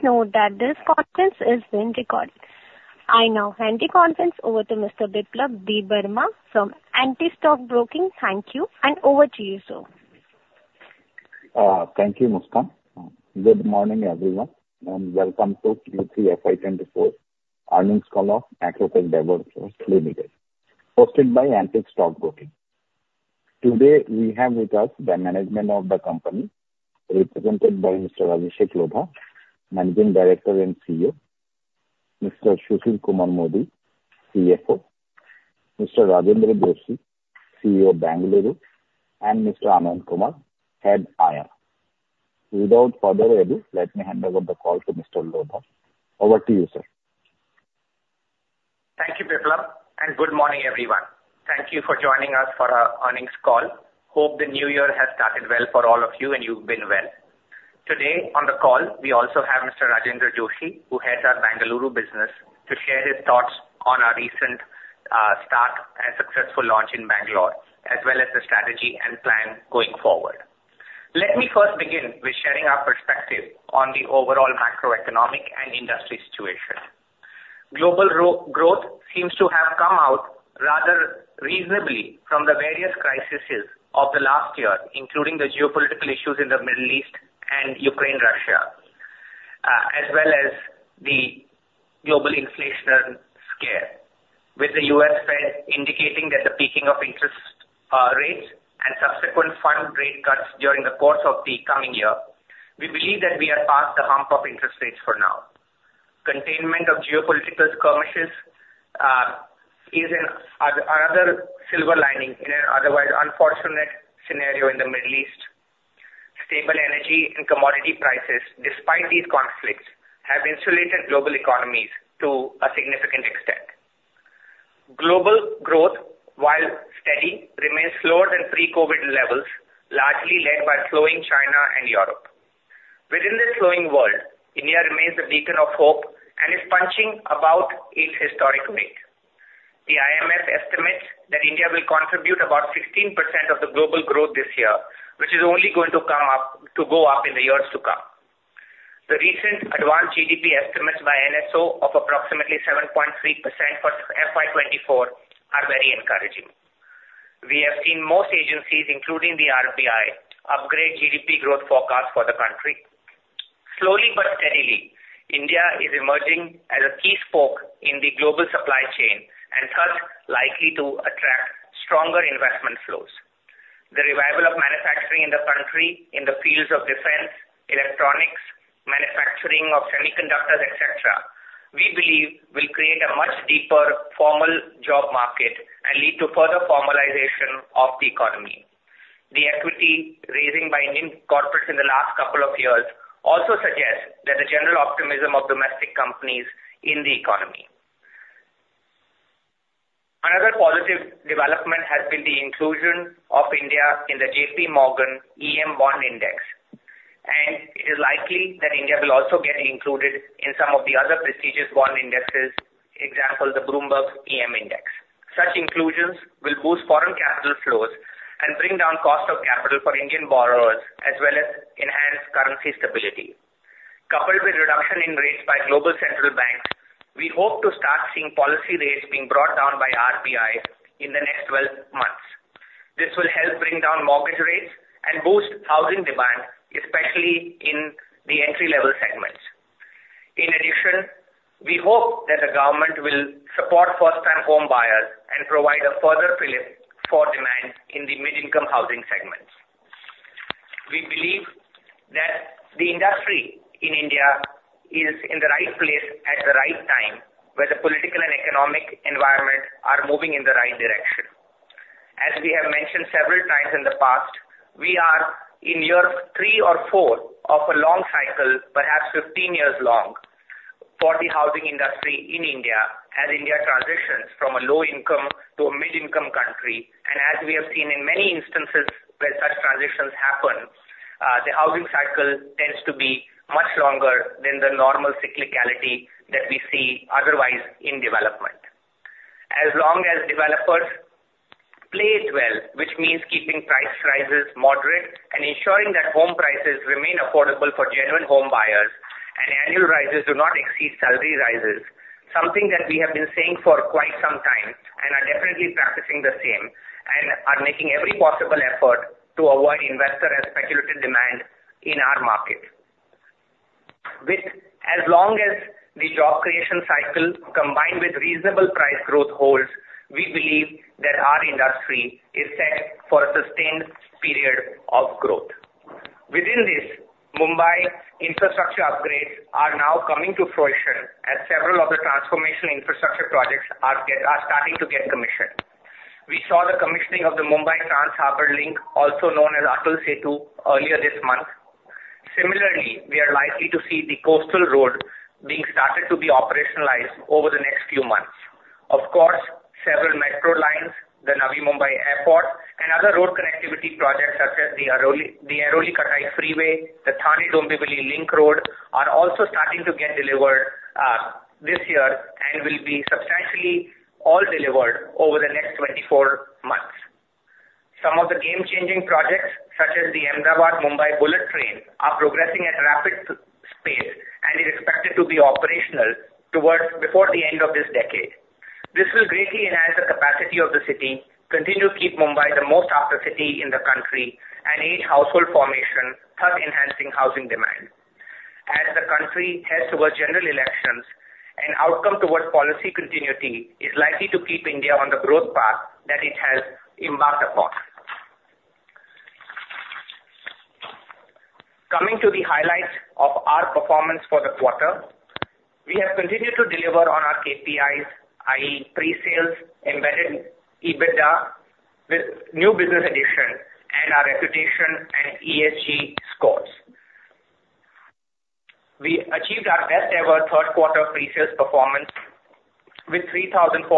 Please note that this conference is being recorded. I now hand the conference over to Mr. Biplab Debbarma from Antique Stock Broking. Thank you, and over to you, sir. Thank you, Muskan. Good morning, everyone, and welcome to Q3 FY 2024 earnings call of Macrotech Developers Limited, hosted by Antique Stock Broking. Today, we have with us the management of the company, represented by Mr. Abhishek Lodha, Managing Director and CEO, Mr. Sushil Kumar Modi, CFO, Mr. Rajendra Joshi, CEO, Bengaluru, and Mr. Anand Kumar, Head IR. Without further ado, let me hand over the call to Mr. Lodha. Over to you, sir. Thank you, Biplab, and good morning, everyone. Thank you for joining us for our earnings call. Hope the new year has started well for all of you and you've been well. Today, on the call, we also have Mr. Rajendra Joshi, who heads our Bengaluru business, to share his thoughts on our recent start and successful launch in Bangalore, as well as the strategy and plan going forward. Let me first begin with sharing our perspective on the overall macroeconomic and industry situation. Global growth seems to have come out rather reasonably from the various crises of the last year, including the geopolitical issues in the Middle East and Ukraine-Russia, as well as the global inflation scare. With the U.S. Fed indicating that the peaking of interest rates and subsequent fund rate cuts during the course of the coming year, we believe that we are past the hump of interest rates for now. Containment of geopolitical skirmishes is another silver lining in an otherwise unfortunate scenario in the Middle East. Stable energy and commodity prices, despite these conflicts, have insulated global economies to a significant extent. Global growth, while steady, remains slower than pre-COVID levels, largely led by slowing China and Europe. Within this slowing world, India remains a beacon of hope and is punching above its historic weight. The IMF estimates that India will contribute about 16% of the global growth this year, which is only going to come up, to go up in the years to come. The recent advanced GDP estimates by NSO of approximately 7.3% for FY 2024 are very encouraging. We have seen most agencies, including the RBI, upgrade GDP growth forecast for the country. Slowly but steadily, India is emerging as a key spoke in the global supply chain and thus likely to attract stronger investment flows. The revival of manufacturing in the country in the fields of defense, electronics, manufacturing of semiconductors, et cetera, we believe will create a much deeper formal job market and lead to further formalization of the economy. The equity raising by Indian corporates in the last couple of years also suggests that the general optimism of domestic companies in the economy. Another positive development has been the inclusion of India in the JP Morgan EM Bond Index, and it is likely that India will also get included in some of the other prestigious bond indexes, example, the Bloomberg EM Index. Such inclusions will boost foreign capital flows and bring down cost of capital for Indian borrowers, as well as enhance currency stability. Coupled with reduction in rates by global central banks, we hope to start seeing policy rates being brought down by RBI in the next 12 months. This will help bring down mortgage rates and boost housing demand, especially in the entry-level segments. In addition, we hope that the government will support first-time home buyers and provide a further fillip for demand in the mid-income housing segments. We believe that the industry in India is in the right place at the right time, where the political and economic environment are moving in the right direction. As we have mentioned several times in the past, we are in year three or four of a long cycle, perhaps 15 years long, for the housing industry in India, as India transitions from a low-income to a mid-income country. As we have seen in many instances where such transitions happen, the housing cycle tends to be much longer than the normal cyclicality that we see otherwise in development. As long as developers play it well, which means keeping price rises moderate and ensuring that home prices remain affordable for genuine home buyers and annual rises do not exceed salary rises, something that we have been saying for quite some time and are definitely practicing the same, and are making every possible effort to avoid investor and speculative demand in our market. With as long as the job creation cycle, combined with reasonable price growth holds, we believe that our industry is set for a sustained period of growth. Within this, Mumbai infrastructure upgrades are now coming to fruition as several of the transformational infrastructure projects are starting to get commissioned. We saw the commissioning of the Mumbai Trans Harbour Link, also known as Atal Setu, earlier this month. Similarly, we are likely to see the coastal road being started to be operationalized over the next few months. Of course, several metro lines, the Navi Mumbai Airport, and other road connectivity projects such as the Airoli, the Airoli-Katai Freeway, the Thane-Dombivli Link Road, are also starting to get delivered this year and will be substantially all delivered over the next 24 months. Some of the game-changing projects, such as the Ahmedabad-Mumbai bullet train, are progressing at rapid speed and is expected to be operational towards before the end of this decade. This will greatly enhance the capacity of the city, continue to keep Mumbai the most active city in the country, and aid household formation, thus enhancing housing demand. As the country heads towards general elections, an outcome towards policy continuity is likely to keep India on the growth path that it has embarked upon. Coming to the highlights of our performance for the quarter, we have continued to deliver on our KPIs, i.e., pre-sales, embedded EBITDA, with new business addition, and our reputation and ESG scores. We achieved our best ever third quarter pre-sales performance with 3,410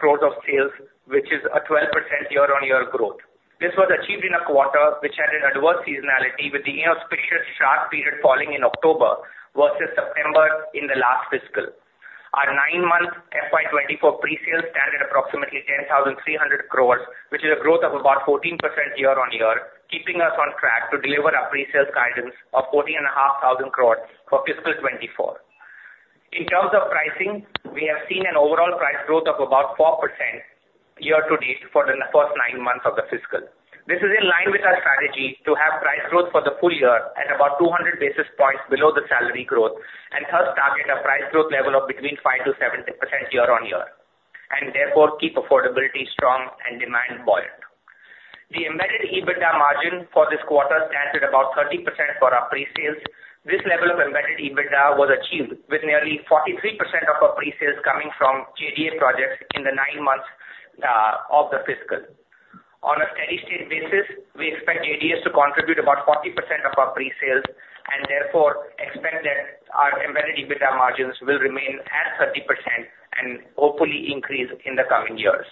crore of sales, which is a 12% year-on-year growth. This was achieved in a quarter which had an adverse seasonality with the inauspicious Shradh period falling in October versus September in the last fiscal. Our nine-month FY 2024 pre-sales stand at approximately 10,300 crore, which is a growth of about 14% year-on-year, keeping us on track to deliver our pre-sales guidance of 14,500 crore for fiscal 2024. In terms of pricing, we have seen an overall price growth of about 4% year-to-date for the first nine months of the fiscal. This is in line with our strategy to have price growth for the full year at about 200 basis points below the salary growth, and thus target a price growth level of between 5%-7% year-on-year, and therefore keep affordability strong and demand buoyant. The embedded EBITDA margin for this quarter stands at about 30% for our pre-sales. This level of embedded EBITDA was achieved with nearly 43% of our pre-sales coming from JDA projects in the nine months of the fiscal. On a steady state basis, we expect JDAs to contribute about 40% of our pre-sales, and therefore expect that our embedded EBITDA margins will remain at 30% and hopefully increase in the coming years.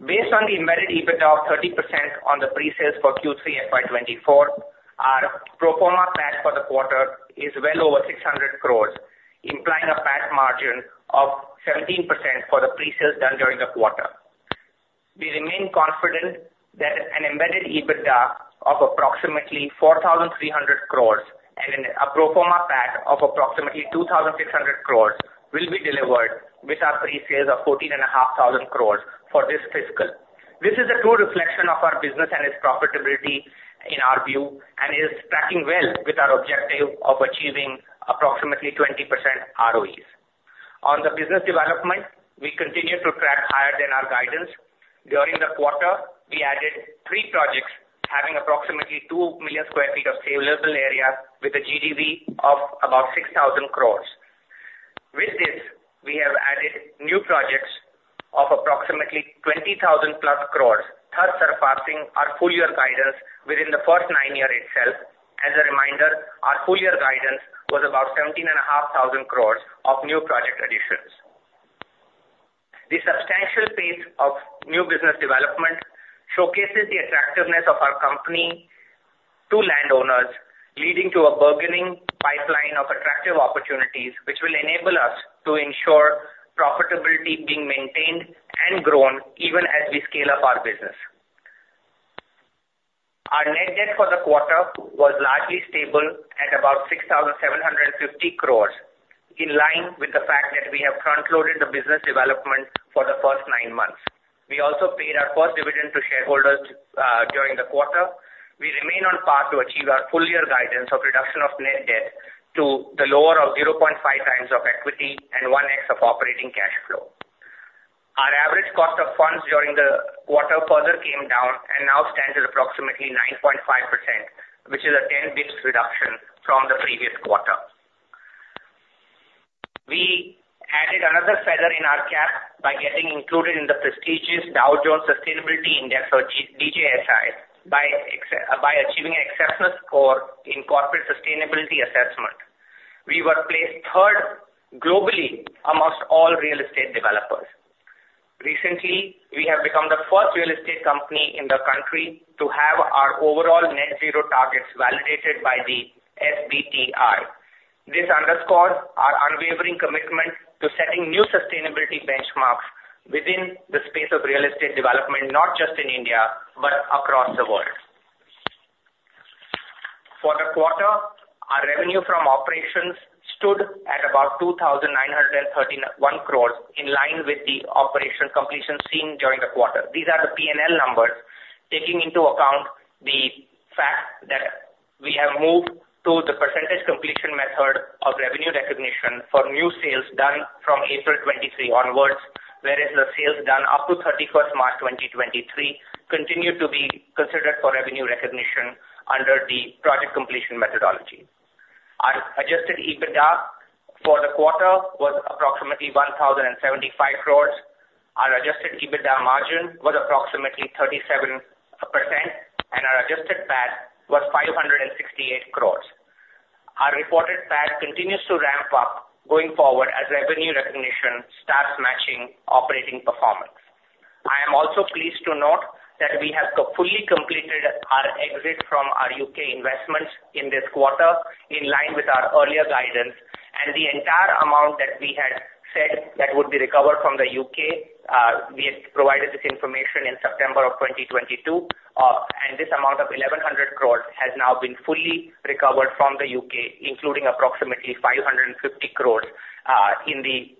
Based on the embedded EBITDA of 30% on the pre-sales for Q3 FY 2024, our pro forma PAT for the quarter is well over 600 crore, implying a PAT margin of 17% for the pre-sales done during the quarter. We remain confident that an embedded EBITDA of approximately 4,300 crore and a pro forma PAT of approximately 2,600 crore will be delivered with our pre-sales of 14,500 crore for this fiscal. This is a true reflection of our business and its profitability in our view, and is tracking well with our objective of achieving approximately 20% ROEs. On the business development, we continue to track higher than our guidance. During the quarter, we added three projects having approximately 2 million sq ft of saleable area with a GDV of about 6,000 crore. With this, we have added new projects of approximately 20,000+ crore, thus surpassing our full year guidance within the first nine months itself. As a reminder, our full year guidance was about 17,500 crore of new project additions. The substantial pace of new business development showcases the attractiveness of our company to landowners, leading to a burgeoning pipeline of attractive opportunities, which will enable us to ensure profitability being maintained and grown even as we scale up our business. Our net debt for the quarter was largely stable at about 6,750 crore, in line with the fact that we have front loaded the business development for the first nine months. We also paid our first dividend to shareholders during the quarter. We remain on path to achieve our full year guidance of reduction of net debt to the lower of 0.5 times of equity and 1x of operating cash flow. Our average cost of funds during the quarter further came down and now stands at approximately 9.5%, which is a 10 basis points reduction from the previous quarter. We added another feather in our cap by getting included in the prestigious Dow Jones Sustainability Index or DJSI, by achieving Excellence score in corporate sustainability assessment. We were placed third globally amongst all real estate developers. Recently, we have become the first real estate company in the country to have our overall net zero targets validated by the SBTi. This underscores our unwavering commitment to setting new sustainability benchmarks within the space of real estate development, not just in India, but across the world. For the quarter, our revenue from operations stood at about 2,931 crore, in line with the project completion seen during the quarter. These are the P&L numbers, taking into account the fact that we have moved to the percentage completion method of revenue recognition for new sales done from April 2023 onwards, whereas the sales done up to 31 March 2023 continue to be considered for revenue recognition under the project completion methodology. Our adjusted EBITDA for the quarter was approximately 1,075 crore. Our adjusted EBITDA margin was approximately 37%, and our adjusted PAT was 568 crore. Our reported PAT continues to ramp up going forward as revenue recognition starts matching operating performance. I am also pleased to note that we have fully completed our exit from our U.K. investments in this quarter, in line with our earlier guidance, and the entire amount that we had said that would be recovered from the U.K., we had provided this information in September 2022, and this amount of 1,100 crore has now been fully recovered from the U.K., including approximately 550 crore, in the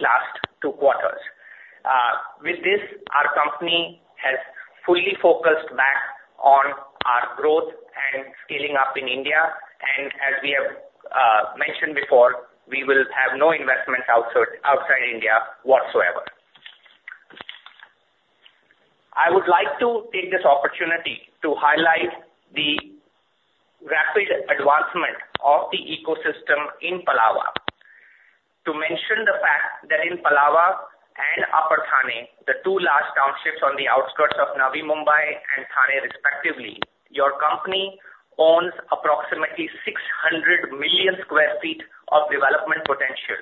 last two quarters. With this, our company has fully focused back on our growth and scaling up in India, and as we have mentioned before, we will have no investment outside, outside India whatsoever. I would like to take this opportunity to highlight the rapid advancement of the ecosystem in Palava. To mention the fact that in Palava and Upper Thane, the two large townships on the outskirts of Navi Mumbai and Thane respectively, your company owns approximately 600 million sq ft of development potential,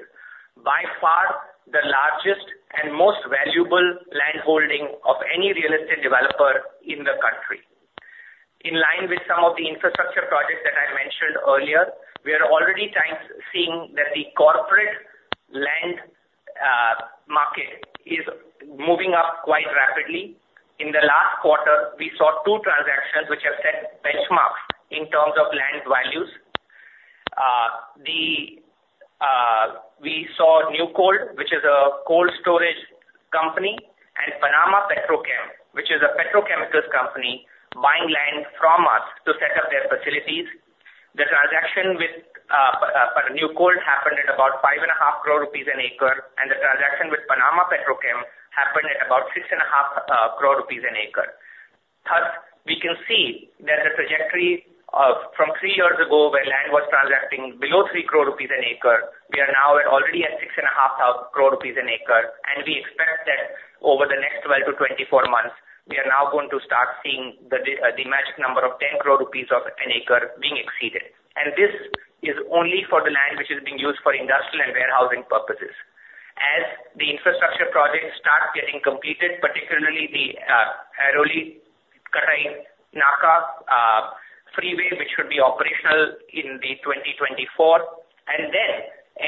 by far the largest and most valuable landholding of any real estate developer in the country. In line with some of the infrastructure projects that I mentioned earlier, we are already seeing that the corporate land market is moving up quite rapidly. In the last quarter, we saw two transactions which have set benchmarks in terms of land values. We saw NewCold, which is a cold storage company, and Panama Petrochem, which is a petrochemicals company, buying land from us to set up their facilities. The transaction with NewCold happened at about 5.5 crore rupees an acre, and the transaction with Panama Petrochem happened at about 6.5 crore rupees an acre. Thus, we can see that the trajectory from three years ago, where land was transacting below 3 crore rupees an acre, we are now at already at 6.5 thousand crore rupees an acre, and we expect that over the next 12-24 months, we are now going to start seeing the magic number of 10 crore rupees of an acre being exceeded. And this is only for the land which is being used for industrial and warehousing purposes. As the infrastructure projects start getting completed, particularly the Airoli-Katai Freeway, which should be operational in 2024, and then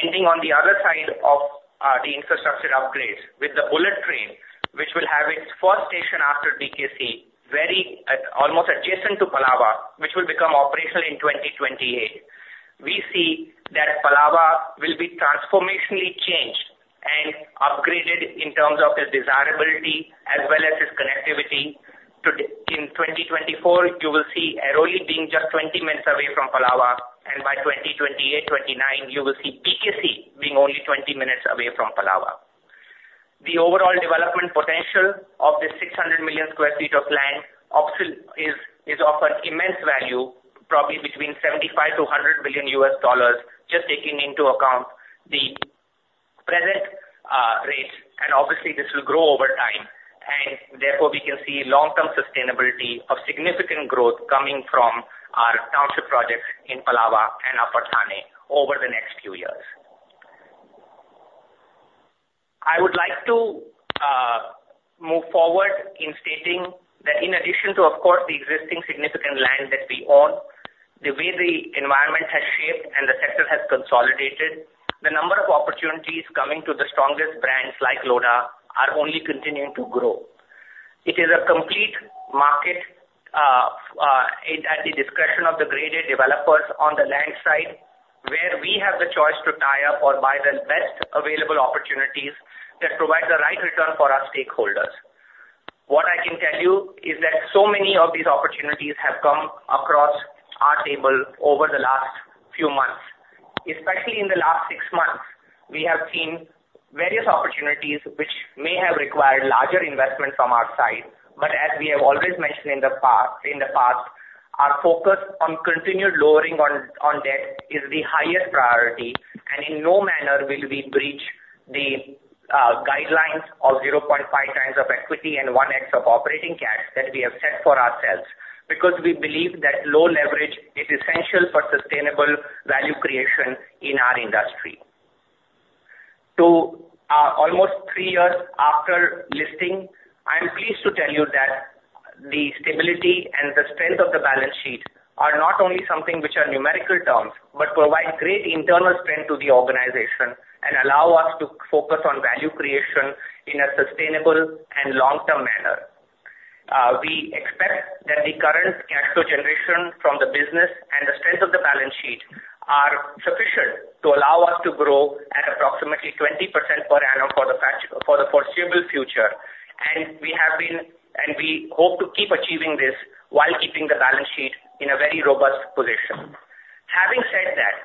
ending on the other side of the infrastructure upgrades with the bullet train, which will have its first station after BKC, very almost adjacent to Palava, which will become operational in 2028. We see that Palava will be transformationally changed and upgraded in terms of its desirability as well as its connectivity. In 2024, you will see Airoli being just 20 minutes away from Palava, and by 2028-2029, you will see BKC being only 20 minutes away from Palava. The overall development potential of this 600 million sq ft of land option is of an immense value, probably between $75 billion-$100 billion, just taking into account the present rates, and obviously this will grow over time. And therefore, we can see long-term sustainability of significant growth coming from our township projects in Palava and Upper Thane over the next few years. I would like to move forward in stating that in addition to, of course, the existing significant land that we own, the way the environment has shaped and the sector has consolidated, the number of opportunities coming to the strongest brands like Lodha are only continuing to grow. It is a complete market at the discretion of the graded developers on the land side, where we have the choice to tie up or buy the best available opportunities that provide the right return for our stakeholders. What I can tell you is that so many of these opportunities have come across our table over the last few months. Especially in the last six months, we have seen various opportunities which may have required larger investment from our side, but as we have always mentioned in the past, in the past, our focus on continued lowering on debt is the highest priority, and in no manner will we breach the guidelines of 0.5 times of equity and 1x of operating cash that we have set for ourselves, because we believe that low leverage is essential for sustainable value creation in our industry. So, almost three years after listing, I am pleased to tell you that the stability and the strength of the balance sheet are not only something which are numerical terms, but provide great internal strength to the organization and allow us to focus on value creation in a sustainable and long-term manner. We expect that the current cash flow generation from the business and the strength of the balance sheet are sufficient to allow us to grow at approximately 20% per annum for the foreseeable future. We have been, and we hope to keep achieving this while keeping the balance sheet in a very robust position. Having said that,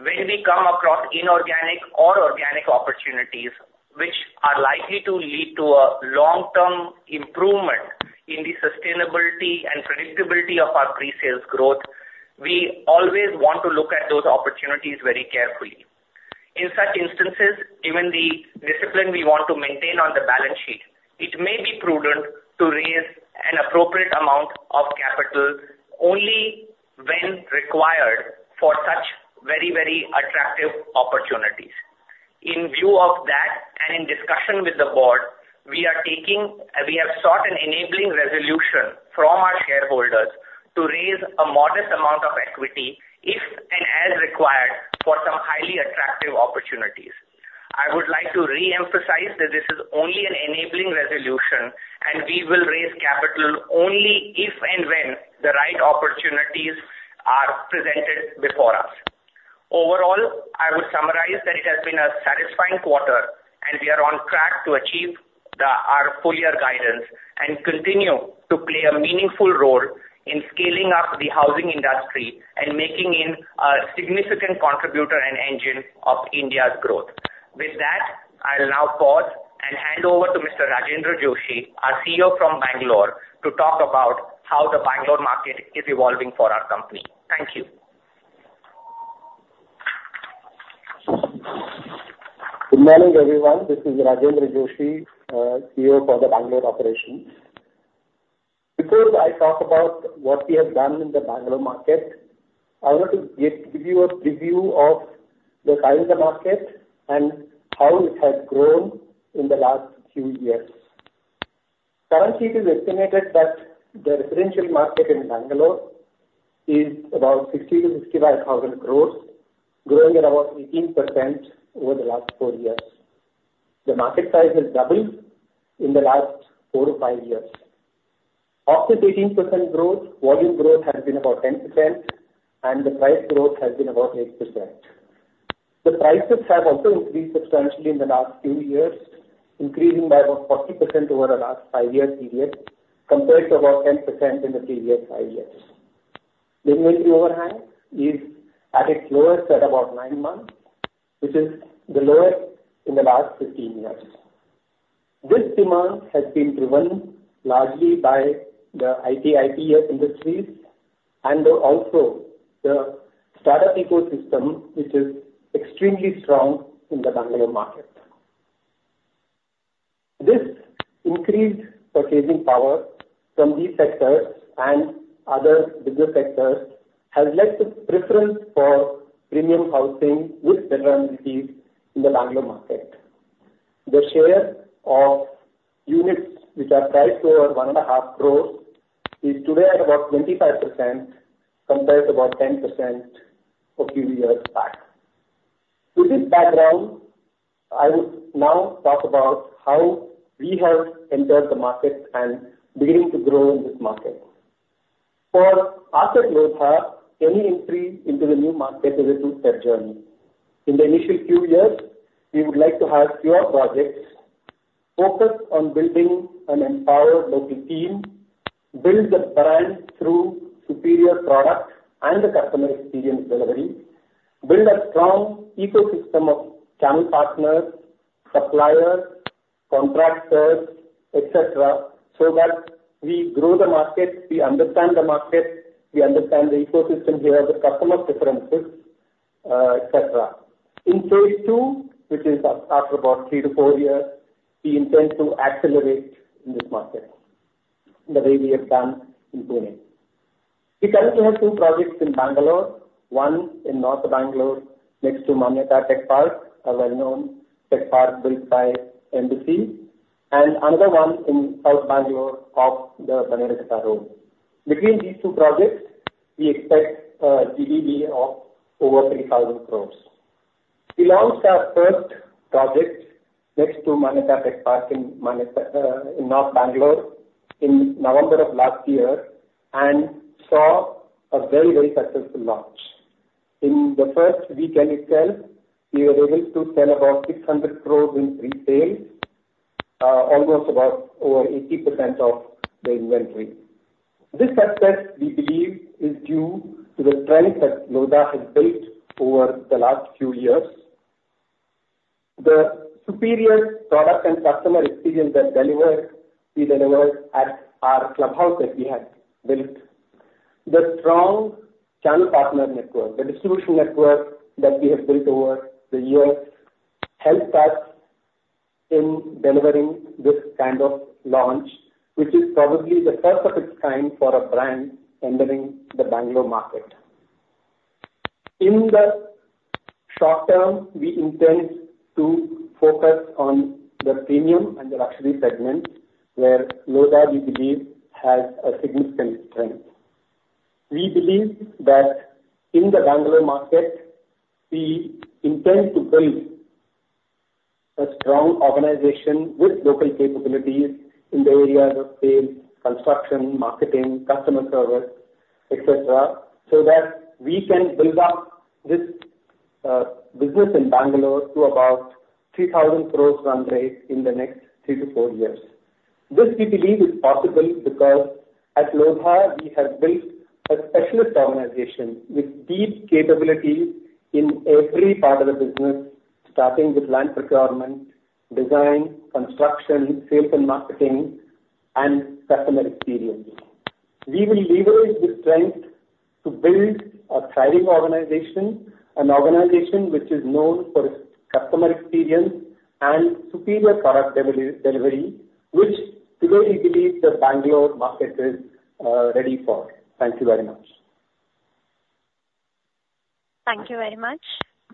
when we come across inorganic or organic opportunities, which are likely to lead to a long-term improvement in the sustainability and predictability of our pre-sales growth, we always want to look at those opportunities very carefully. In such instances, given the discipline we want to maintain on the balance sheet, it may be prudent to raise an appropriate amount of capital only when required for such very, very attractive opportunities. In view of that, and in discussion with the board, we are taking - we have sought an enabling resolution from our shareholders to raise a modest amount of equity, if and as required, for some highly attractive opportunities. I would like to reemphasize that this is only an enabling resolution, and we will raise capital only if and when the right opportunities are presented before us. Overall, I would summarize that it has been a satisfying quarter, and we are on track to achieve the our full year guidance, and continue to play a meaningful role in scaling up the housing industry and making it a significant contributor and engine of India's growth. With that, I'll now pause and hand over to Mr. Rajendra Joshi, our CEO from Bangalore, to talk about how the Bangalore market is evolving for our company. Thank you. Good morning, everyone. This is Rajendra Joshi, CEO for the Bangalore operations. Before I talk about what we have done in the Bangalore market, I want to give you a preview of the Bangalore market and how it has grown in the last few years. Currently, it is estimated that the residential market in Bangalore is about 60,000-65,000 crore, growing at about 18% over the last 4 years. The market size has doubled in the last 4 to 5 years. Of this 18% growth, volume growth has been about 10%, and the price growth has been about 8%. The prices have also increased substantially in the last few years, increasing by about 40% over the last 5-year period, compared to about 10% in the previous 5 years. The inventory overhang is at its lowest at about 9 months, which is the lowest in the last 15 years. This demand has been driven largely by the IT-ITeS industries and also the startup ecosystem, which is extremely strong in the Bangalore market. This increased purchasing power from these sectors and other business sectors has led to preference for premium housing with better amenities in the Bangalore market. The share of units which are priced over 1.5 crore is today at about 25%, compared to about 10% a few years back. With this background, I would now talk about how we have entered the market and beginning to grow in this market. For us at Lodha, any entry into the new market is a two-step journey. In the initial few years, we would like to have fewer projects, focus on building an empowered local team, build the brand through superior product and the customer experience delivery, build a strong ecosystem of channel partners, suppliers, contractors, et cetera, so that we grow the market, we understand the market, we understand the ecosystem, we have the customer preferences, et cetera. In phase two, which is after about 3-4 years, we intend to accelerate in this market the way we have done in Pune. We currently have 2 projects in Bengaluru, one in North Bengaluru, next to Manyata Tech Park, a well-known tech park built by Embassy, and another one in South Bengaluru off the Bannerghatta Road. Between these two projects, we expect a GDV of over 3,000 crores. We launched our first project next to Manyata Tech Park in Manyata, in North Bangalore, in November of last year, and saw a very, very successful launch. In the first weekend itself, we were able to sell about 600 crore in pre-sales, almost about over 80% of the inventory. This success, we believe, is due to the strength that Lodha has built over the last few years. The superior product and customer experience that delivered, we delivered at our clubhouse that we have built. The strong channel partner network, the distribution network that we have built over the years, helped us in delivering this kind of launch, which is probably the first of its kind for a brand entering the Bangalore market. In the short term, we intend to focus on the premium and the luxury segments, where Lodha, we believe, has a significant strength. We believe that in the Bangalore market, we intend to build a strong organization with local capabilities in the areas of sales, construction, marketing, customer service, et cetera, so that we can build up this business in Bangalore to about 3,000 crore run rate in the next three to four years. This we believe is possible because at Lodha, we have built a specialist organization with deep capabilities in every part of the business, starting with land procurement, design, construction, sales and marketing, and customer experience.... We will leverage this strength to build a thriving organization, an organization which is known for its customer experience and superior product delivery, which today we believe the Bangalore market is ready for. Thank you very much. Thank you very much.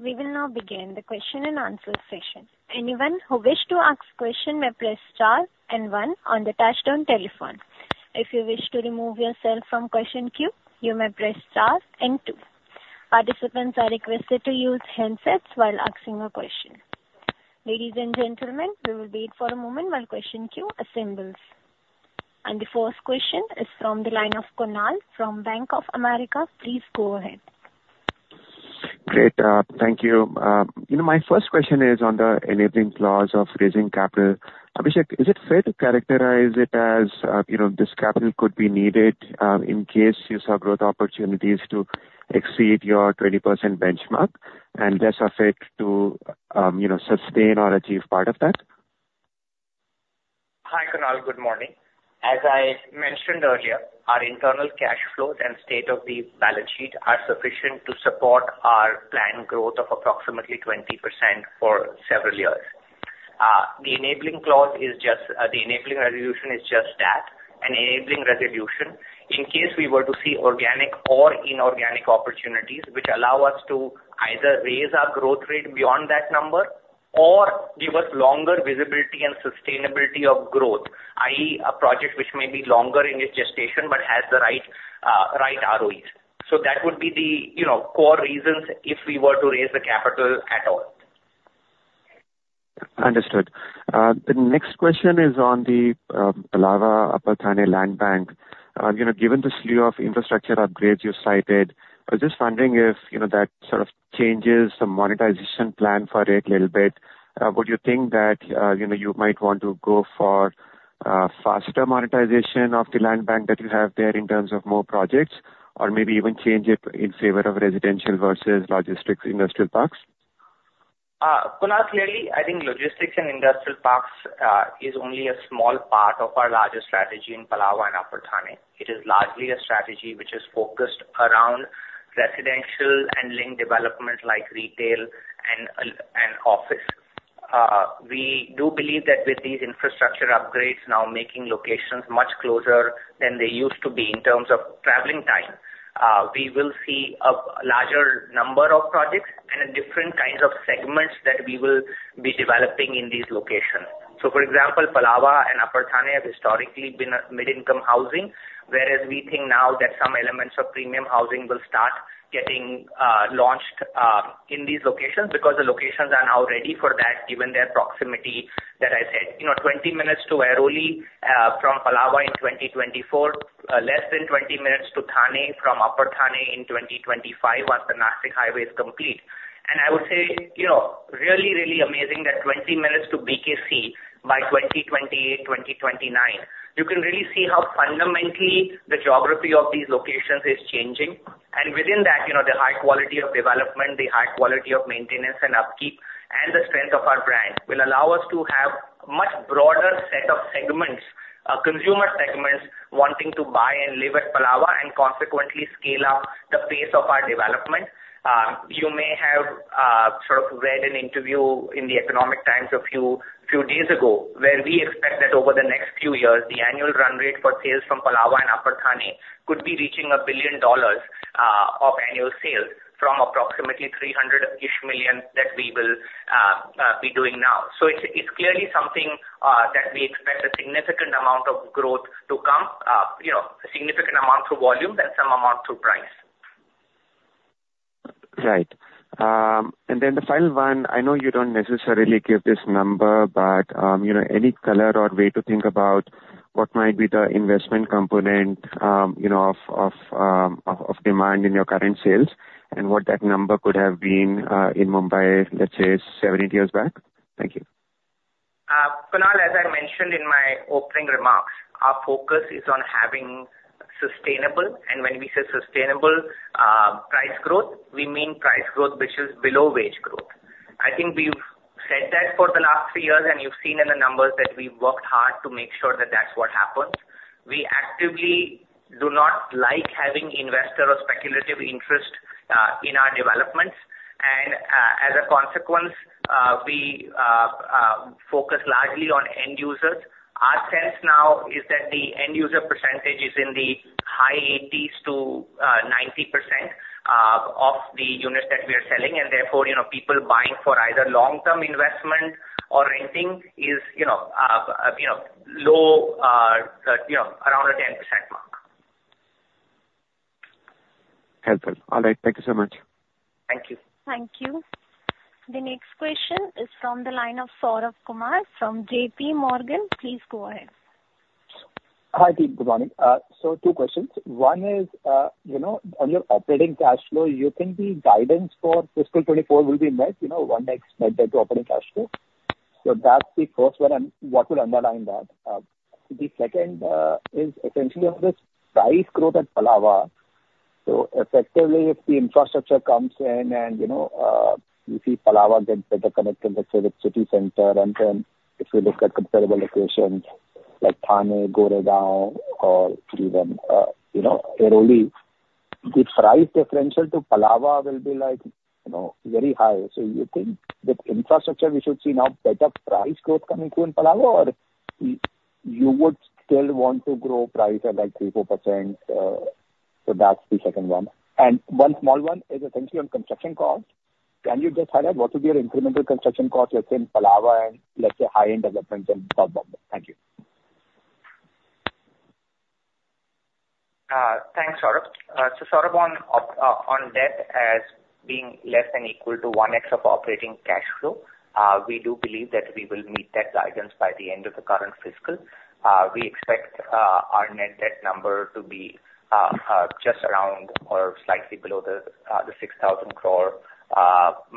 We will now begin the question and answer session. Anyone who wish to ask question may press star and one on the touchtone telephone. If you wish to remove yourself from question queue, you may press star and two. Participants are requested to use handsets while asking a question. Ladies and gentlemen, we will wait for a moment while question queue assembles. The first question is from the line of Kunal from Bank of America. Please go ahead. Great, thank you. You know, my first question is on the enabling clause of raising capital. Abhishek, is it fair to characterize it as, you know, this capital could be needed, in case you saw growth opportunities to exceed your 20% benchmark, and less of it to, you know, sustain or achieve part of that? Hi, Kunal, good morning. As I mentioned earlier, our internal cash flows and state of the balance sheet are sufficient to support our planned growth of approximately 20% for several years. The enabling clause is just the enabling resolution is just that, an enabling resolution. In case we were to see organic or inorganic opportunities which allow us to either raise our growth rate beyond that number or give us longer visibility and sustainability of growth, i.e., a project which may be longer in its gestation but has the right right ROEs. So that would be the, you know, core reasons if we were to raise the capital at all. Understood. The next question is on the Palava, Upper Thane land bank. You know, given the slew of infrastructure upgrades you cited, I was just wondering if, you know, that sort of changes the monetization plan for it a little bit. Would you think that, you know, you might want to go for faster monetization of the land bank that you have there in terms of more projects? Or maybe even change it in favor of residential versus logistics industrial parks? Kunal, clearly, I think logistics and industrial parks is only a small part of our larger strategy in Palava and Upper Thane. It is largely a strategy which is focused around residential and link development, like retail and, and office. We do believe that with these infrastructure upgrades now making locations much closer than they used to be in terms of traveling time, we will see a larger number of projects and different kinds of segments that we will be developing in these locations. So, for example, Palava and Upper Thane have historically been a mid-income housing, whereas we think now that some elements of premium housing will start getting launched in these locations. Because the locations are now ready for that, given their proximity that I said. You know, 20 minutes to Airoli, from Palava in 2024, less than 20 minutes to Thane from Upper Thane in 2025, once the Nashik highway is complete. And I would say, you know, really, really amazing that 20 minutes to BKC by 2028, 2029. You can really see how fundamentally the geography of these locations is changing. And within that, you know, the high quality of development, the high quality of maintenance and upkeep, and the strength of our brand, will allow us to have a much broader set of segments, consumer segments, wanting to buy and live at Palava, and consequently scale up the pace of our development. You may have sort of read an interview in the Economic Times a few days ago, where we expect that over the next few years, the annual run rate for sales from Palava and Upper Thane could be reaching $1 billion of annual sales, from approximately $300 million-ish that we will be doing now. So it's clearly something that we expect a significant amount of growth to come. You know, a significant amount through volume and some amount through price. Right. And then the final one, I know you don't necessarily give this number, but, you know, any color or way to think about what might be the investment component, you know, of demand in your current sales, and what that number could have been, in Mumbai, let's say, 7, 8 years back? Thank you. Kunal, as I mentioned in my opening remarks, our focus is on having sustainable, and when we say sustainable, price growth, we mean price growth which is below wage growth. I think we've said that for the last three years, and you've seen in the numbers that we've worked hard to make sure that that's what happens. We actively do not like having investor or speculative interest in our developments. As a consequence, we focus largely on end users. Our sense now is that the end user percentage is in the high 80s to 90% of the units that we are selling, and therefore, you know, people buying for either long-term investment or renting is, you know, low, you know, around the 10% mark. Helpful. All right. Thank you so much. Thank you. Thank you. The next question is from the line of Saurav Kumar from JP Morgan. Please go ahead. Hi, team. Good morning. So two questions. One is, you know, on your operating cash flow, you think the guidance for fiscal 2024 will be met, you know, and next net debt to operating cash flow? So that's the first one, and what would underline that? The second is essentially on this price growth at Palava. So effectively, if the infrastructure comes in and, you know, you see Palava get better connected with city center, and then if you look at comparable locations like Thane, Goregaon, or even, you know, Airoli, the price differential to Palava will be like, you know, very high. So you think with infrastructure, we should see now better price growth coming through in Palava, or you would still want to grow price at, like, 3%-4%, so that's the second one. One small one is essentially on construction cost. Can you just highlight what will be your incremental construction cost, let's say, in Palava and, let's say, high-end developments in South Bombay? Thank you. Thanks, Saurav. So Saurav, on debt as being less than equal to 1x of operating cash flow, we do believe that we will meet that guidance by the end of the current fiscal. We expect our net debt number to be just around or slightly below the 6,000 crore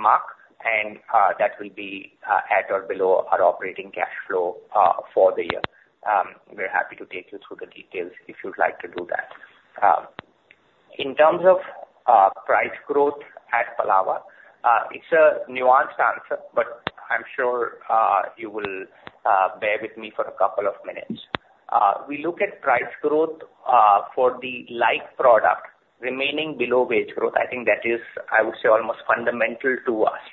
mark, and that will be at or below our operating cash flow for the year. We're happy to take you through the details if you'd like to do that. In terms of price growth at Palava, it's a nuanced answer, but I'm sure you will bear with me for a couple of minutes. We look at price growth for the like product remaining below wage growth. I think that is, I would say, almost fundamental to us.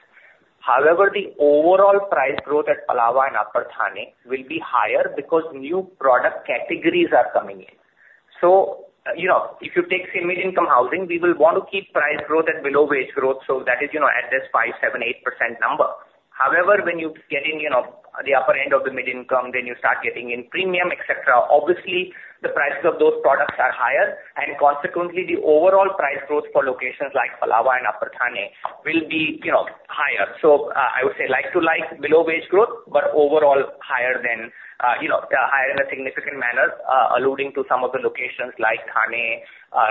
However, the overall price growth at Palava and Upper Thane will be higher because new product categories are coming in. So, you know, if you take mid-income housing, we will want to keep price growth at below wage growth, so that is, you know, at this 5, 7, 8% number. However, when you get in, you know, the upper end of the mid-income, then you start getting in premium, et cetera. Obviously, the prices of those products are higher, and consequently, the overall price growth for locations like Palava and Upper Thane will be, you know, higher. So, I would say like to like, below wage growth, but overall higher than, you know, higher in a significant manner, alluding to some of the locations like Thane,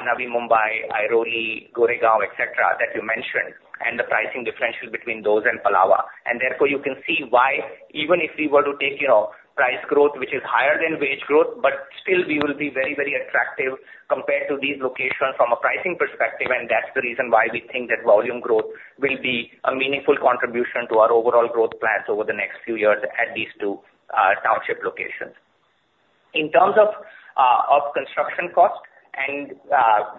Navi Mumbai, Airoli, Goregaon, et cetera, that you mentioned, and the pricing differential between those and Palava. And therefore, you can see why even if we were to take, you know, price growth, which is higher than wage growth, but still we will be very, very attractive compared to these locations from a pricing perspective, and that's the reason why we think that volume growth will be a meaningful contribution to our overall growth plans over the next few years at these two township locations. In terms of, of construction cost and,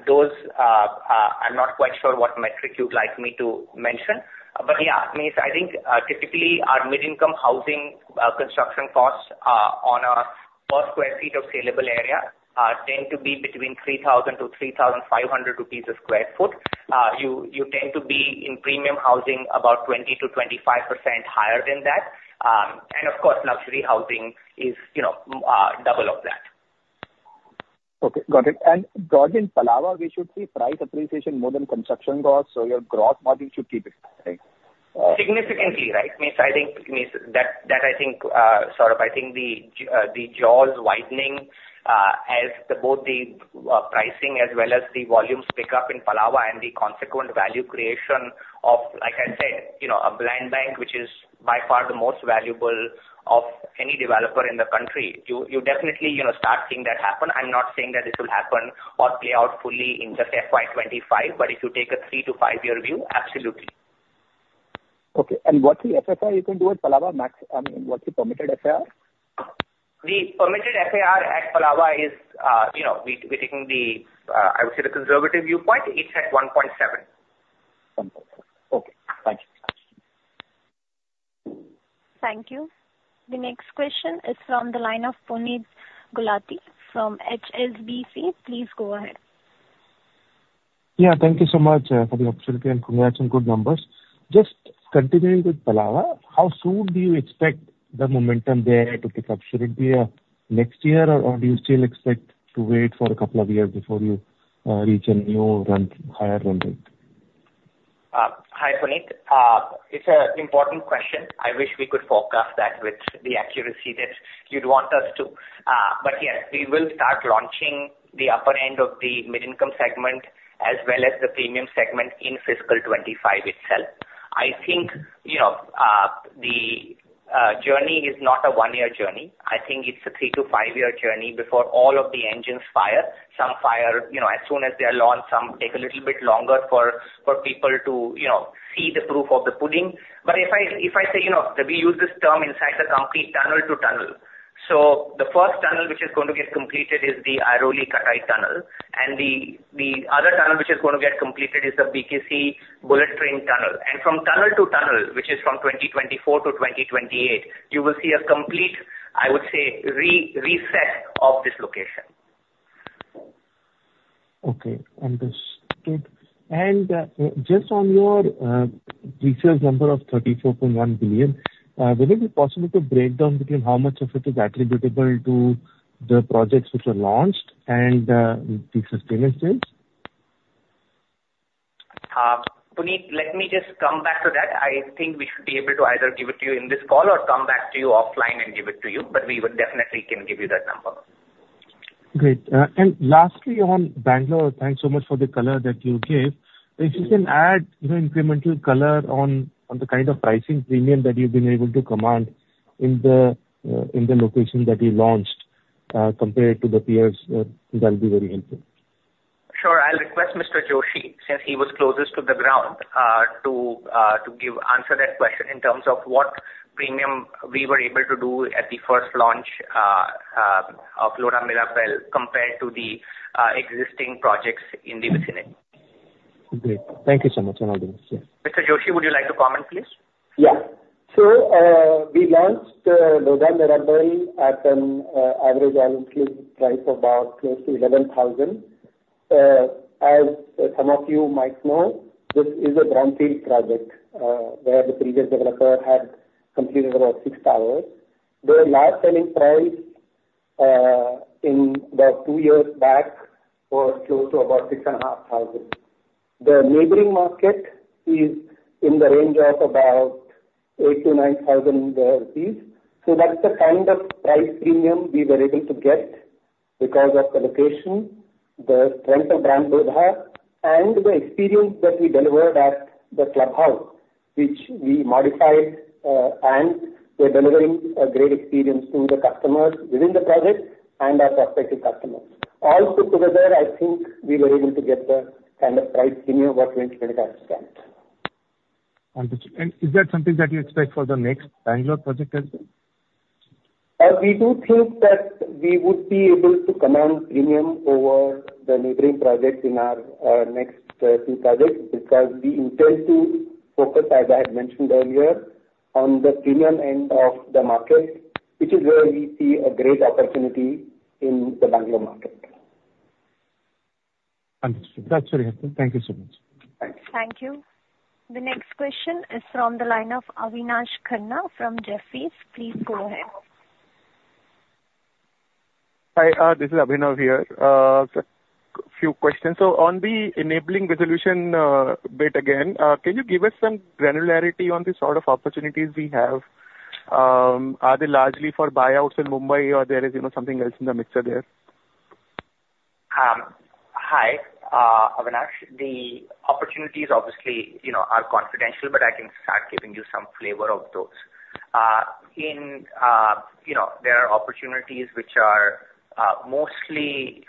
those, I'm not quite sure what metric you'd like me to mention, but yeah, I mean, I think, typically our mid-income housing, construction costs, on a per square feet of saleable area, tend to be between 3,000-3,500 rupees a sq ft. You, you tend to be in premium housing about 20%-25% higher than that. And of course, luxury housing is, you know, double of that. Okay, got it. And got in Palava, we should see price appreciation more than construction cost, so your gross margin should keep expanding. Significantly, right? I think that means that I think sort of the jaws widening as both the pricing as well as the volumes pick up in Palava and the consequent value creation of, like I said, you know, a land bank which is by far the most valuable of any developer in the country, you definitely, you know, start seeing that happen. I'm not saying that this will happen or play out fully in just FY 25, but if you take a 3-5-year view, absolutely. Okay, and what's the FAR you can do at Palava max? I mean, what's the permitted FAR? The permitted FAR at Palava is, you know, we, we're taking the, I would say, the conservative viewpoint, it's at 1.7. 1.7. Okay, thank you. Thank you. The next question is from the line of Puneet Gulati from HSBC. Please go ahead. Yeah, thank you so much for the opportunity, and congrats on good numbers. Just continuing with Palava, how soon do you expect the momentum there to pick up? Should it be next year, or do you still expect to wait for a couple of years before you reach a new rent, higher rent? Hi, Puneet. It's an important question. I wish we could forecast that with the accuracy that you'd want us to. But yes, we will start launching the upper end of the mid-income segment, as well as the premium segment in fiscal 2025 itself. I think, you know, the journey is not a 1-year journey. I think it's a 3- to 5-year journey before all of the engines fire. Some fire, you know, as soon as they are launched, some take a little bit longer for people to, you know, see the proof of the pudding. But if I say, you know, we use this term inside the company, tunnel to tunnel. So the first tunnel, which is going to get completed, is the Airoli-Katai tunnel, and the other tunnel, which is going to get completed, is the BKC bullet train tunnel. And from tunnel to tunnel, which is from 2024 to 2028, you will see a complete, I would say, re-reset of this location. Okay, understood. Just on your pre-sales number of 34.1 billion, will it be possible to break down between how much of it is attributable to the projects which were launched and the sustainability? Puneet, let me just come back to that. I think we should be able to either give it to you in this call or come back to you offline and give it to you, but we would definitely can give you that number. Great. And lastly, on Bangalore, thanks so much for the color that you gave. If you can add more incremental color on the kind of pricing premium that you've been able to command?... in the location that you launched, compared to the peers, that'll be very helpful. Sure. I'll request Mr. Joshi, since he was closest to the ground, to answer that question in terms of what premium we were able to do at the first launch of Lodha Mirabelle, compared to the existing projects in the vicinity. Great. Thank you so much, and all the best. Yeah. Mr. Joshi, would you like to comment, please? Yeah. So, we launched Lodha Mirabelle at an average annual price of about close to 11,000. As some of you might know, this is a brownfield project, where the previous developer had completed about six towers. The last selling price, in about two years back, was close to about 6,500. The neighboring market is in the range of about 8,000-9,000 rupees. So that's the kind of price premium we were able to get because of the location, the strength of brand Lodha, and the experience that we delivered at the clubhouse, which we modified, and we're delivering a great experience to the customers within the project and our prospective customers. All put together, I think we were able to get the kind of price premium what we expected. Understood. And is that something that you expect for the next Bangalore project as well? We do think that we would be able to command premium over the neighboring projects in our next few projects, because we intend to focus, as I had mentioned earlier, on the premium end of the market, which is where we see a great opportunity in the Bangalore market. Understood. That's very helpful. Thank you so much. Thanks. Thank you. The next question is from the line of Abhinav Sinha from Jefferies. Please go ahead. Hi, this is Abhinav here. So a few questions. So on the enabling resolution, bit again, can you give us some granularity on the sort of opportunities we have? Are they largely for buyouts in Mumbai, or there is, you know, something else in the mixture there? Hi, Abhinav. The opportunities, obviously, you know, are confidential, but I can start giving you some flavor of those. In, you know, there are opportunities which are, mostly,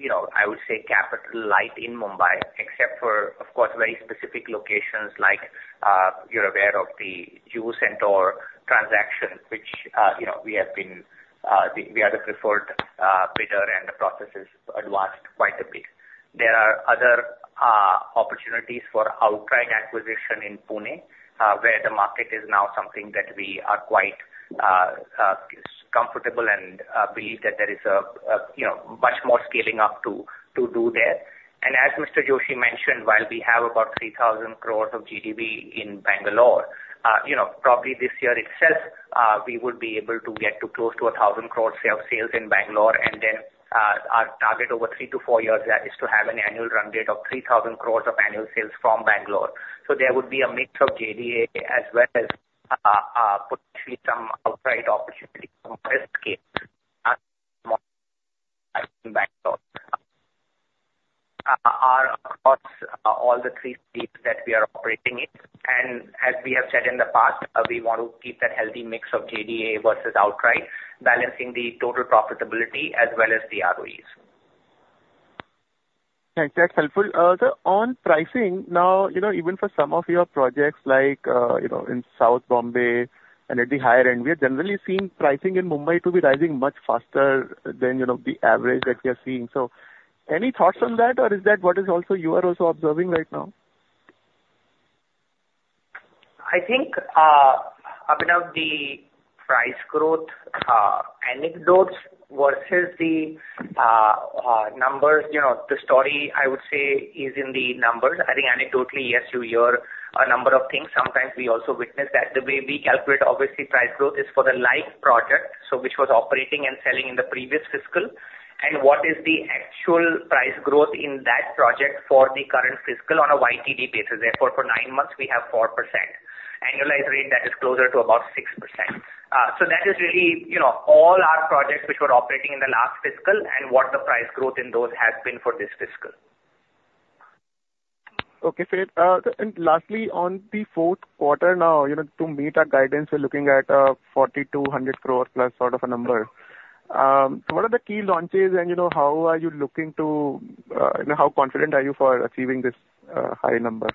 you know, I would say capital light in Mumbai, except for, of course, very specific locations like, you're aware of the Juhu Centaur transaction, which, you know, we have been, we are the preferred bidder, and the process has advanced quite a bit. There are other opportunities for outright acquisition in Pune, where the market is now something that we are quite comfortable and believe that there is a, you know, much more scaling up to do there. And as Mr. Joshi mentioned, while we have about 3,000 crore of GDV in Bangalore, you know, probably this year itself, we would be able to get to close to 1,000 crore sales in Bangalore, and then, our target over 3-4 years, that is to have an annual run rate of 3,000 crore of annual sales from Bangalore. So there would be a mix of JDA as well as, potentially some outright opportunities from landscape are across, all 3 states that we are operating in. And as we have said in the past, we want to keep that healthy mix of JDA versus outright, balancing the total profitability as well as the ROEs. Thanks. That's helpful. So on pricing now, you know, even for some of your projects, like, you know, in South Bombay and at the higher end, we are generally seeing pricing in Mumbai to be rising much faster than, you know, the average that we are seeing. So any thoughts on that, or is that what is also, you are also observing right now? I think, Abhinav, the price growth, anecdotes versus the, numbers, you know, the story I would say is in the numbers. I think anecdotally, yes, you hear a number of things. Sometimes we also witness that. The way we calculate, obviously, price growth is for the live project, so which was operating and selling in the previous fiscal, and what is the actual price growth in that project for the current fiscal on a YTD basis. Therefore, for nine months, we have 4%. Annualized rate, that is closer to about 6%. So that is really, you know, all our projects which were operating in the last fiscal and what the price growth in those has been for this fiscal. Okay, great. And lastly, on the fourth quarter now, you know, to meet our guidance, we're looking at 4,200 crore plus sort of a number. So what are the key launches and, you know, how are you looking to, you know, how confident are you for achieving this high number?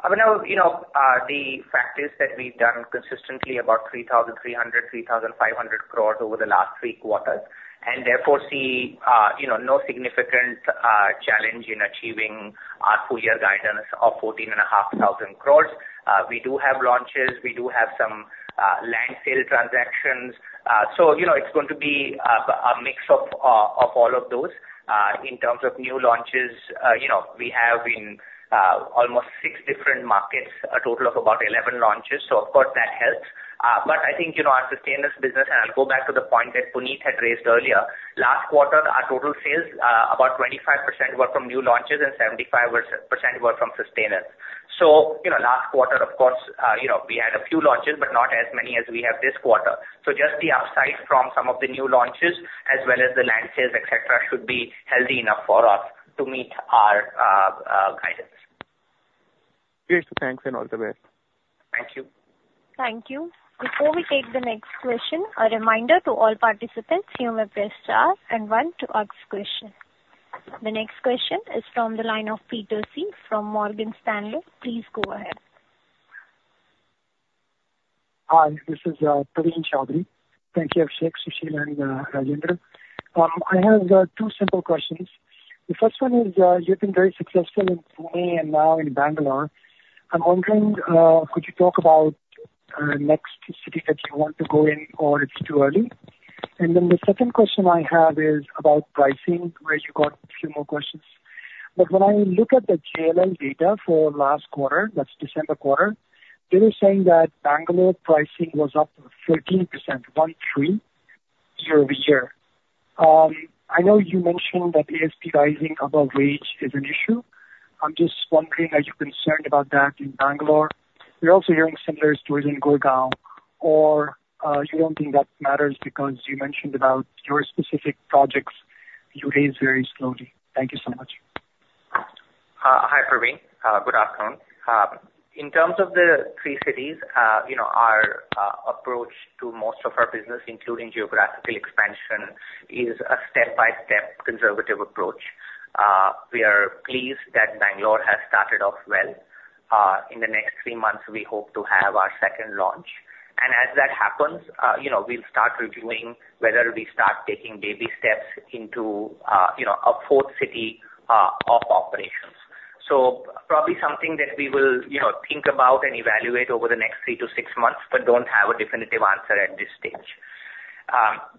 Abhinav, you know, the fact is that we've done consistently about 3,300-3,500 crore over the last three quarters, and therefore see, you know, no significant challenge in achieving our full year guidance of 14,500 crore. We do have launches. We do have some land sale transactions. So, you know, it's going to be a mix of all of those. In terms of new launches, you know, we have in almost 6 different markets, a total of about 11 launches, so of course, that helps. But I think, you know, our sustain this business, and I'll go back to the point that Puneet had raised earlier. Last quarter, our total sales, about 25% were from new launches and 75% were from sustainers. So, you know, last quarter, of course, you know, we had a few launches, but not as many as we have this quarter. So just the upside from some of the new launches as well as the land sales, et cetera, should be healthy enough for us to meet our guidance.... Great! Thanks and all the best. Thank you. Thank you. Before we take the next question, a reminder to all participants, you may press star and one to ask question. The next question is from the line of Praveen Choudhary. from Morgan Stanley. Please go ahead. Hi, this is Praveen Choudhary. Thank you, Abhishek, Sushil, and Rajendra. I have two simple questions. The first one is, you've been very successful in Pune and now in Bangalore. I'm wondering, could you talk about next city that you want to go in, or it's too early? And then the second question I have is about pricing, where you got a few more questions. But when I look at the JLL data for last quarter, that's December quarter, they were saying that Bangalore pricing was up 13%, year-over-year. I know you mentioned that ASP rising above wage is an issue. I'm just wondering, are you concerned about that in Bangalore? We're also hearing similar stories in Gurgaon, or you don't think that matters because you mentioned about your specific projects, you raise very slowly. Thank you so much. Hi, Praveen. Good afternoon. In terms of the three cities, you know, our approach to most of our business, including geographical expansion, is a step-by-step conservative approach. We are pleased that Bangalore has started off well. In the next three months, we hope to have our second launch. And as that happens, you know, we'll start reviewing whether we start taking baby steps into, you know, a fourth city of operations. So probably something that we will, you know, think about and evaluate over the next three to six months, but don't have a definitive answer at this stage.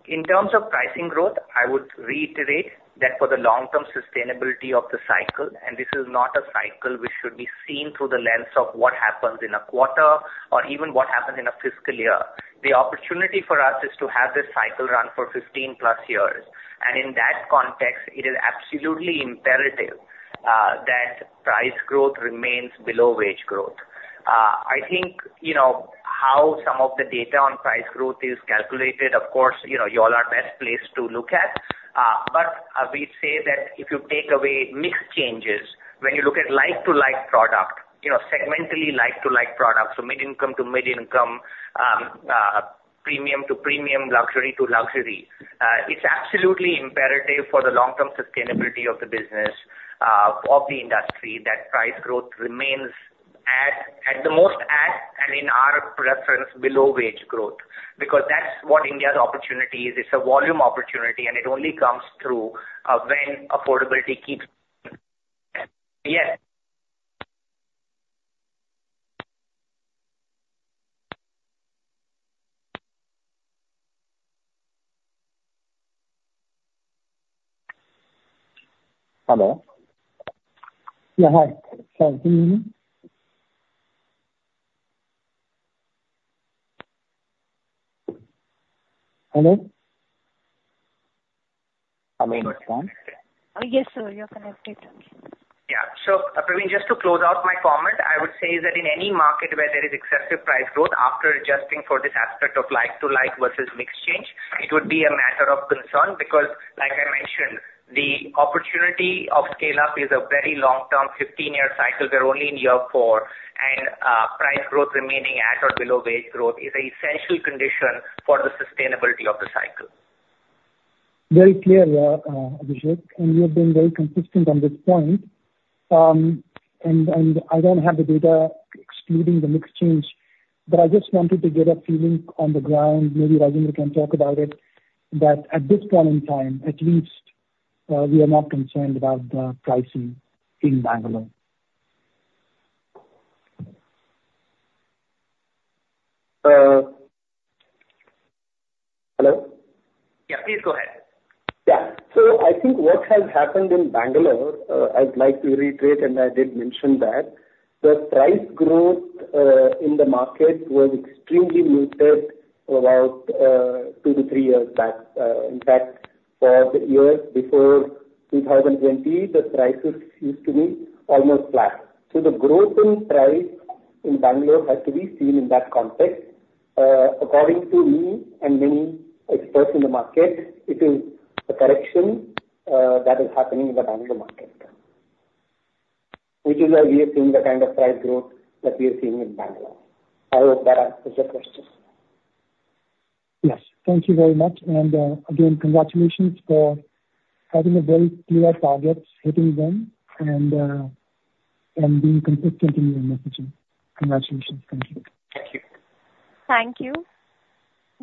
In terms of pricing growth, I would reiterate that for the long-term sustainability of the cycle, and this is not a cycle which should be seen through the lens of what happens in a quarter or even what happens in a fiscal year. The opportunity for us is to have this cycle run for 15 plus years, and in that context, it is absolutely imperative that price growth remains below wage growth. I think, you know, how some of the data on price growth is calculated, of course, you know, you all are best placed to look at. But we say that if you take away mix changes, when you look at like-to-like product, you know, segmentally like-to-like product, so mid-income to mid-income, premium to premium, luxury to luxury, it's absolutely imperative for the long-term sustainability of the business, of the industry, that price growth remains at the most at, and in our preference, below wage growth. Because that's what India's opportunity is. It's a volume opportunity, and it only comes through, when affordability keeps... Yeah. Hello? Yeah, hi. Can you hear me? Hello? Am I on? Yes, sir, you're connected. Yeah. So, Praveen, just to close out my comment, I would say that in any market where there is excessive price growth after adjusting for this aspect of like-to-like versus mix change, it would be a matter of concern, because like I mentioned, the opportunity of scale up is a very long-term, 15-year cycle. We're only in year 4, and price growth remaining at or below wage growth is an essential condition for the sustainability of the cycle. Very clear, Abhishek, and you have been very consistent on this point. And I don't have the data excluding the mix change, but I just wanted to get a feeling on the ground, maybe Rajendra can talk about it. That at this point in time, at least, we are not concerned about the pricing in Bangalore. Uh, hello? Yeah, please go ahead. Yeah. So I think what has happened in Bangalore, I'd like to reiterate, and I did mention that, the price growth in the market was extremely muted about 2-3 years back. In fact, for the years before 2020, the prices used to be almost flat. So the growth in price in Bangalore has to be seen in that context. According to me and many experts in the market, it is a correction that is happening in the Bangalore market, which is why we are seeing the kind of price growth that we are seeing in Bangalore. I hope that answers the question. Yes. Thank you very much. And, again, congratulations for having a very clear targets, hitting them, and, and being consistent in your messaging. Congratulations. Thank you. Thank you. Thank you.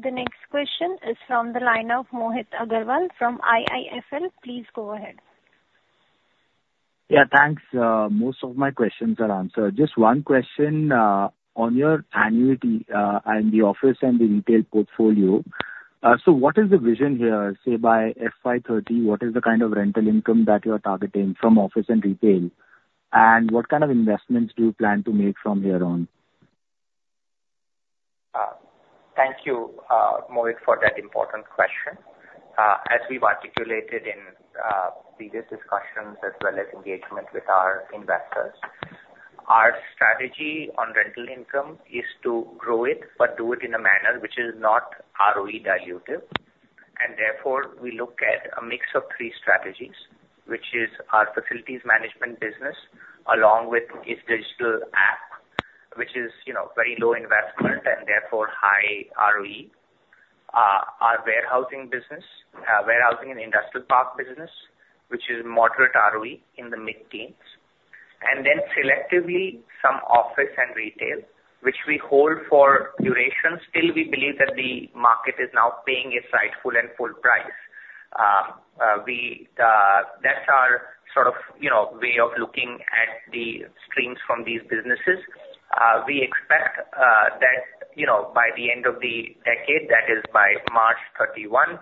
The next question is from the line of Mohit Agrawal from IIFL. Please go ahead. Yeah, thanks. Most of my questions are answered. Just one question on your annuity and the office and the retail portfolio. So what is the vision here, say, by FY 30, what is the kind of rental income that you are targeting from office and retail? And what kind of investments do you plan to make from here on? Thank you, Mohit, for that important question. As we've articulated in previous discussions, as well as engagement with our investors, our strategy on rental income is to grow it, but do it in a manner which is not ROE dilutive. Therefore, we look at a mix of three strategies, which is our facilities management business, along with its digital app, which is, you know, very low investment and therefore high ROE. Our warehousing business, warehousing and industrial park business, which is moderate ROE in the mid-teens, and then selectively some office and retail, which we hold for duration. Still, we believe that the market is now paying its rightful and full price. That's our sort of, you know, way of looking at the streams from these businesses. We expect that, you know, by the end of the decade, that is by March 31,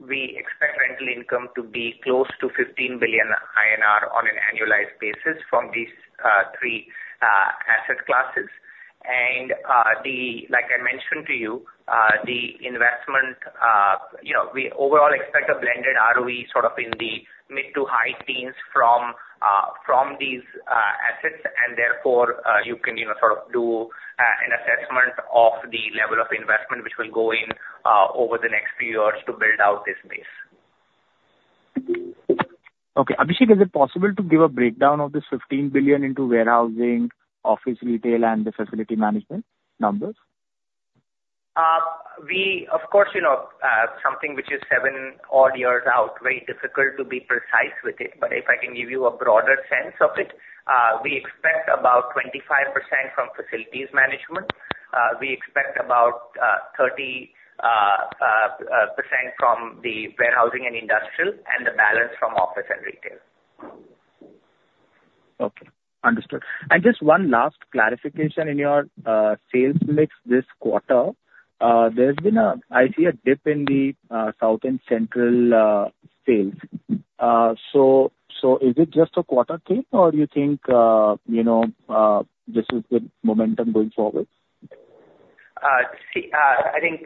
we expect rental income to be close to 15 billion INR on an annualized basis from these three asset classes. Like I mentioned to you, the investment, you know, we overall expect a blended ROE sort of in the mid- to high teens from these assets, and therefore, you can, you know, sort of do an assessment of the level of investment which will go in over the next few years to build out this base. Okay. Abhishek, is it possible to give a breakdown of this 15 billion into warehousing, office retail, and the facility management numbers? We of course, you know, something which is 7 odd years out, very difficult to be precise with it, but if I can give you a broader sense of it, we expect about 25% from facilities management. We expect about 30% from the warehousing and industrial, and the balance from office and retail. Okay, understood. And just one last clarification in your sales mix this quarter, there's been a dip. I see a dip in the South and Central sales. So, is it just a quarter thing, or you think, you know, this is the momentum going forward? See, I think,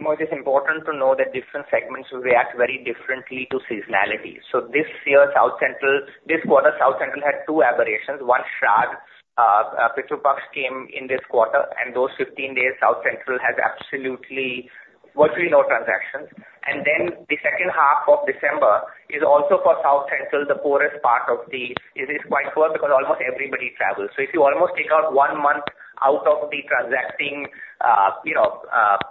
Mohit, it's important to know that different segments will react very differently to seasonality. So this year, South Central. This quarter, South Central had two aberrations. One, Shradh, Pitru Paksha came in this quarter, and those 15 days, South Central has absolutely virtually no transactions. And then, the second half of December is also, for South Central, the poorest part of the. It is quite poor because almost everybody travels. So if you almost take out one month out of the transacting, you know,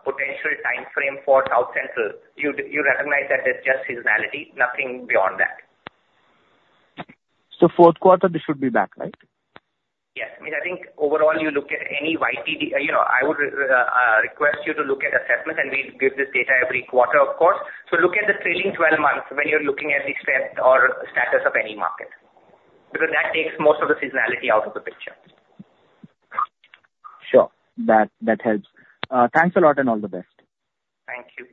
potential timeframe for South Central, you recognize that it's just seasonality, nothing beyond that. Fourth quarter, this should be back, right? Yes. I mean, I think overall, you look at any YTD, you know, I would request you to look at assessments, and we give this data every quarter, of course. So look at the trailing twelve months when you're looking at the strength or status of any market, because that takes most of the seasonality out of the picture. Sure. That, that helps. Thanks a lot, and all the best. Thank you.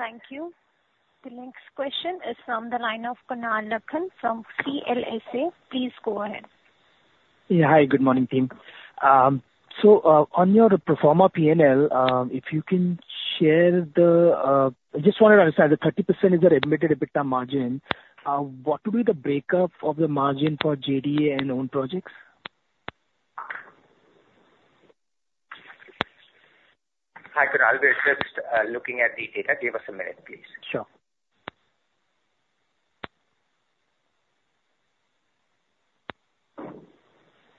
Thank you. The next question is from the line of Kunal Lakhan from CLSA. Please go ahead. Yeah. Hi, good morning, team. So, on your pro forma P&L, if you can share the, just wanted to understand, the 30% is your embedded EBITDA margin. What will be the breakup of the margin for JDA and own projects? Hi, Kunal. We're just looking at the data. Give us a minute, please. Sure.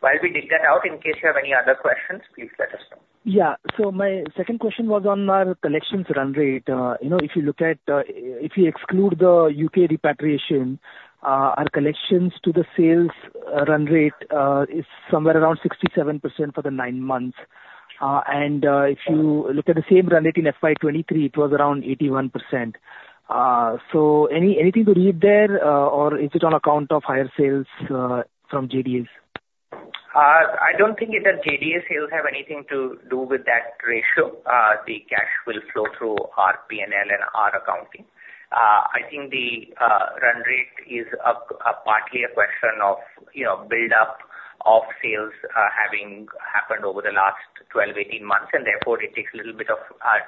While we dig that out, in case you have any other questions, please let us know. Yeah. So my second question was on our collections run rate. You know, if you look at, if you exclude the UK repatriation, our collections to the sales run rate is somewhere around 67% for the nine months. And, if you look at the same run rate in FY 2023, it was around 81%. So anything to read there, or is it on account of higher sales from JDAs? I don't think either JDA sales have anything to do with that ratio. The cash will flow through our P&L and our accounting. I think the run rate is partly a question of, you know, build up of sales having happened over the last 12-18 months, and therefore, it takes a little bit of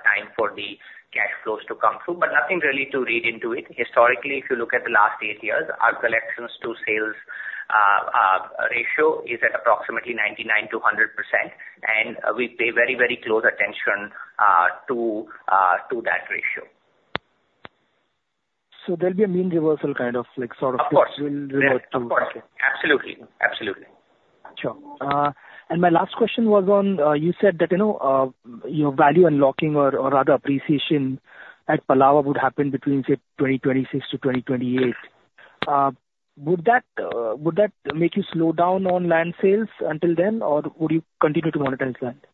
time for the cash flows to come through, but nothing really to read into it. Historically, if you look at the last eight years, our collections to sales ratio is at approximately 99%-100%, and we pay very, very close attention to that ratio. There'll be a mean reversion, kind of like sort of- Of course. Will revert to? Of course. Absolutely. Absolutely. Sure. And my last question was on, you said that, you know, your value unlocking or, or rather, appreciation at Palava would happen between, say, 2026-2028. Would that make you slow down on land sales until then, or would you continue to monetize land?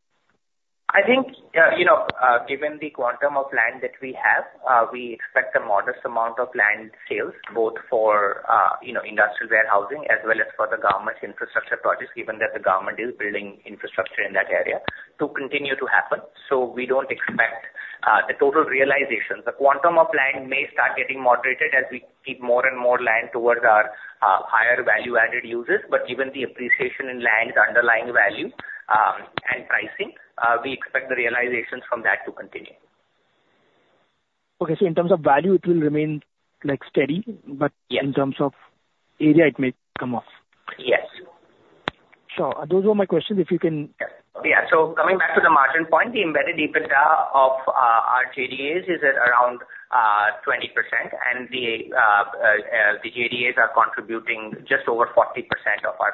I think, you know, given the quantum of land that we have, we expect a modest amount of land sales, both for, you know, industrial warehousing as well as for the government infrastructure projects, given that the government is building infrastructure in that area to continue to happen. So we don't expect, the total realization. The quantum of land may start getting moderated as we keep more and more land towards our, higher value-added uses. But given the appreciation in land underlying value, and pricing, we expect the realizations from that to continue. Okay. So in terms of value, it will remain, like, steady- Yes. But in terms of area, it may come off? Yes. Sure, those were my questions, if you can- Yeah. So coming back to the margin point, the embedded EBITDA of our JDAs is at around 20%, and the JDAs are contributing just over 40% of our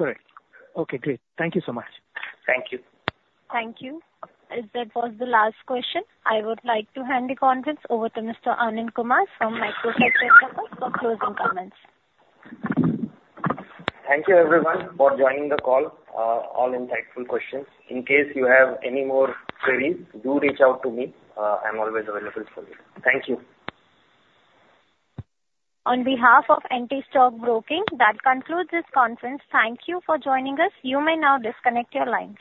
pre-sales. Great. Okay, great. Thank you so much. Thank you. Thank you. That was the last question. I would like to hand the conference over to Mr. Anand Kumar from Macrotech Developers for closing comments. Thank you everyone for joining the call. All insightful questions. In case you have any more queries, do reach out to me, I'm always available for you. Thank you. On behalf of Antique Stock Broking, that concludes this conference. Thank you for joining us. You may now disconnect your lines.